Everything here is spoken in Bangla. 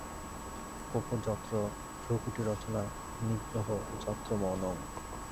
কোপো যত্র ভ্রূকুটিরচনা নিগ্রহো যত্র মৌনং।